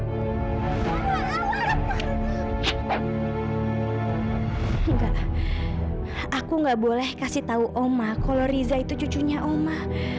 enggak aku nggak boleh kasih tahu oma kalau riza itu cucunya oma